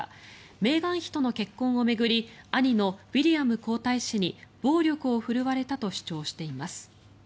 メーガン妃との結婚を巡り兄のウィリアム皇太子に暴力を振るわれたと主張しています。